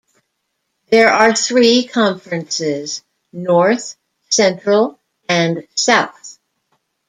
There are three conferences, north, central and south.